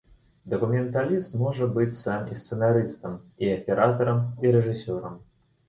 Дакументаліст можа быць сам і сцэнарыстам, і аператарам, і рэжысёрам.